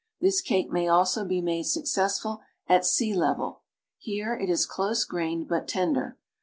This cake may also be made successfully at sea level; here it is close grained but tender.